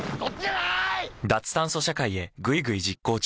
脱炭素社会へぐいぐい実行中。